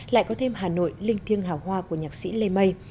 lại có thêm hà nội linh thiêng hào hoa của nhạc sĩ lê mây